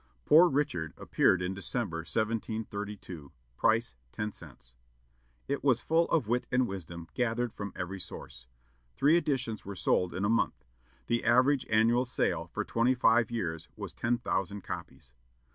"Poor Richard" appeared in December, 1732; price, ten cents. It was full of wit and wisdom, gathered from every source. Three editions were sold in a month. The average annual sale for twenty five years was ten thousand copies.